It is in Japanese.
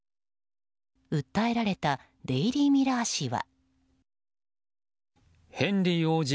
訴えられたデイリー・ミラー紙は。